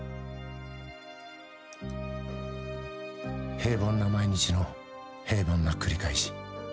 ［平凡な毎日の平凡な繰り返し］